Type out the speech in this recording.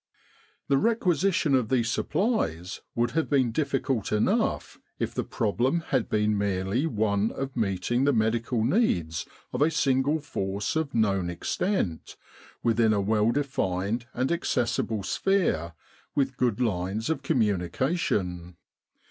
The requisition of these supplies would have been difficult enough if the problem had been merely one of meeting the medical needs of a single force of known extent within a well defined and accessible 45 With the R.A.M.C. in Egypt sphere with good lines of communication.